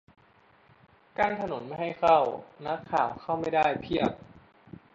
กั้นถนนไม่ให้เข้า นักข่าวเข้าไม่ได้เพียบ !